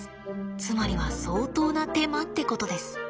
つまりは相当な手間ってことです。